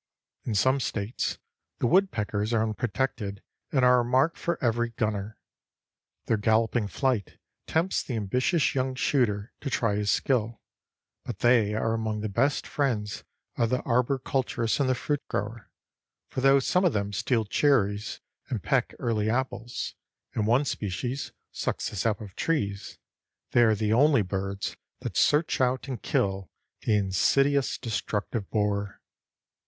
In some States the woodpeckers are unprotected and are a mark for every gunner. Their galloping flight tempts the ambitious young shooter to try his skill, but they are among the best friends of the arboriculturist and the fruit grower, for though some of them steal cherries and peck early apples, and one species sucks the sap of trees, they are the only birds that search out and kill the insidious, destructive borer.